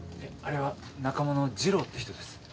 あれは仲間の二郎って人です。